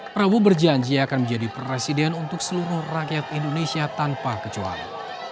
prabowo berjanji akan menjadi presiden untuk seluruh rakyat indonesia tanpa kecuali